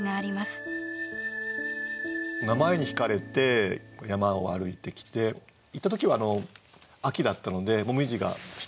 名前にひかれて山を歩いてきて行った時は秋だったので紅葉が散ってた頃なんですけどね。